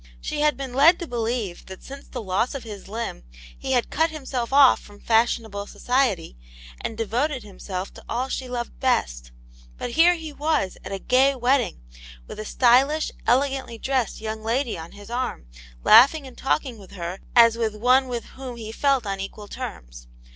She had been led to believe that sinc6 the loss of his limb he had cut himself off from fashionable society, and devoted himself to all she loved best But here he was, at a gay wedding, with ^ stylish, elegantly dressed young lady oti \v\^ ^\t«x^ Aunt Jane's Hero. 83 laughing and talking with her as with one with whom he felt on equal terms.